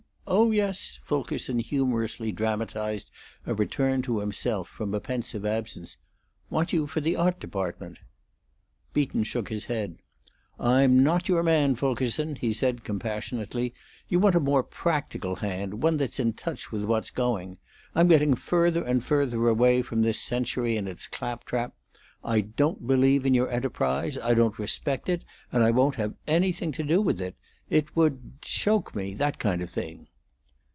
Oh yes," Fulkerson humorously dramatized a return to himself from a pensive absence. "Want you for the art department." Beaton shook his head. "I'm not your man, Fulkerson," he said, compassionately. "You want a more practical hand, one that's in touch with what's going. I'm getting further and further away from this century and its claptrap. I don't believe in your enterprise; I don't respect it, and I won't have anything to do with it. It would choke me, that kind of thing."